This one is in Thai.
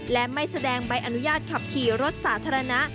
และไม่แสดงใบอนุญาตขับขี่รถสาธารณะ